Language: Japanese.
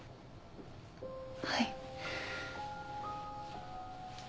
はい。